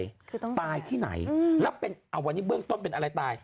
คือต้องตายที่ไหนแล้วเป็นวันนี้เบื้องต้นเป็นอะไรตาย